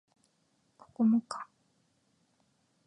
ここもか